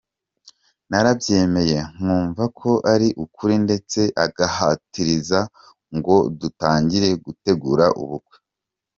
Narabyemeye nkumva ko ari ukuri ndetse agahatiriza ngo dutangire gutegura ubukwe.